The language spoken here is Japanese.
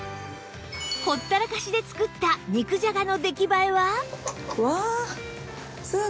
ほったらかしで作った肉じゃがの出来栄えは？